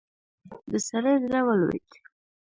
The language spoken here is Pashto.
د سړي زړه ولوېد.